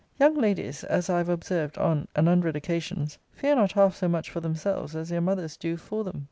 Young ladies, as I have observed on an hundred occasions, fear not half so much for themselves as their mothers do for them.